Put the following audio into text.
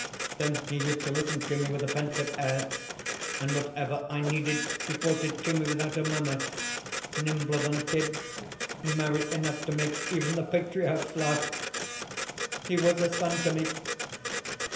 Then he used to listen to me with a pensive air, and whatever I needed he brought it to me without a murmur nimbler than a kid, merry enough to make even the patriarchs laugh. He was a son to me."